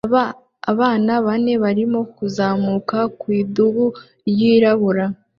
Abana bane barimo kuzamuka ku idubu ryirabura